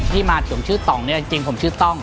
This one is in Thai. ที่มาถึงชื่อตองจริงผมชื่อต้อง